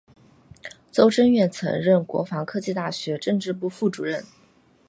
邹征远曾任国防科技大学政治部副主任。